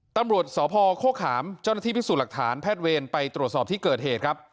ตำรวจสพโฆขามเจ้าหน้าที่พิสูจน์หลักฐานแพทย์เวรไปตรวจสอบที่เกิดเหตุครับ